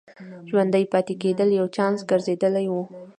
ژوندي پاتې کېدل یو چانس ګرځېدلی و.